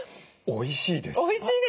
おいしいですよね。